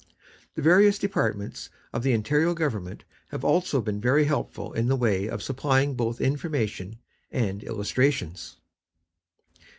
The various Departments of the Ontario government have also been very helpful in the way of supplying both information and illustrations.